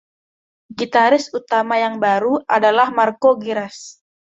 Gitaris utama yang baru adalah Marco Gerace.